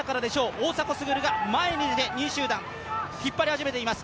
大迫傑が前に出て第２集団を引っ張り始めています。